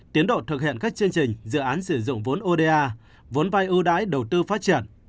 tiến độ thực hiện các chương trình dự án sử dụng vốn oda vốn vai ưu đãi đầu tư phát triển